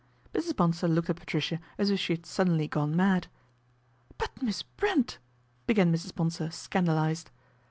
Mrs. Bonsor looked at Patricia as if she had suddenly gone mad. " But Miss Brent " began Mrs. Bonsor, scandalised.